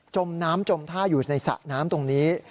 มน้ำจมท่าอยู่ในสระน้ำตรงนี้